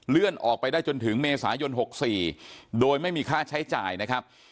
ออกไปได้จนถึงเมษายน๖๔โดยไม่มีค่าใช้จ่ายนะครับ